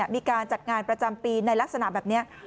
มีการจัดงานประจำปีในลักษณะแบบนี้